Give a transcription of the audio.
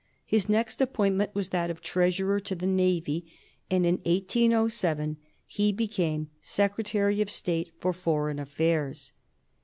His next appointment was that of Treasurer to the Navy, and in 1807 he became Secretary of State for Foreign Affairs.